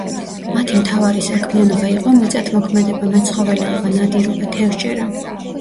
მათი მთავარი საქმიანობა იყო მიწათმოქმედება, მეცხოველეობა, ნადირობა, თევზჭერა.